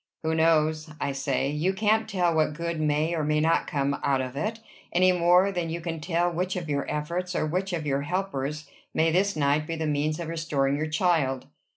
"Who knows? I say. You can't tell what good may or may not come out of it, any more than you can tell which of your efforts, or which of your helpers, may this night be the means of restoring your child."